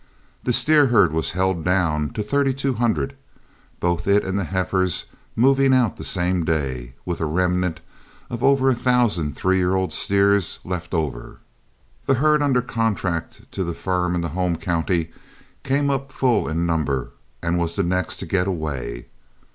The steer herd was held down to thirty two hundred, both it and the heifers moving out the same day, with a remnant of over a thousand three year old steers left over. The herd under contract to the firm in the home county came up full in number, and was the next to get away.